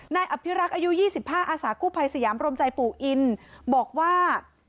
นายอภิรักษ์อายุ๒๕อาสากู้ภัยสยามรมใจปู่อินบอกว่า